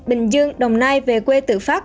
bình dương đồng nai về quê tự phát